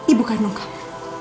ibu kandung kamu